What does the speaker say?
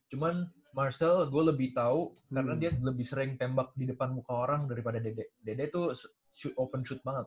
cuman marcel gua lebih tau karena dia lebih sering tembak di depan muka orang daripada dede dede tuh open shoot banget